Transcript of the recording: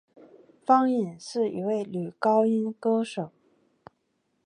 方颖是一位女高音歌手。